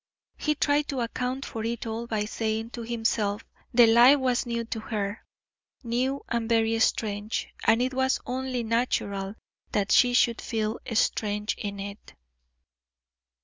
He tried to account for it all by saying to himself the life was new to her new and very strange and it was only natural that she should feel strange in it.